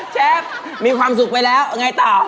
เชฟมีความสุขไปแล้วยังไงต่อ